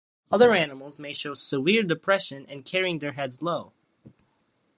Other animals may show severe depression and carrying their heads low.